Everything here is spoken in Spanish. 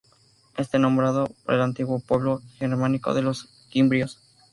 Está nombrado por el antiguo pueblo germánico de los cimbrios.